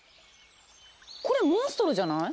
これモンストロじゃない？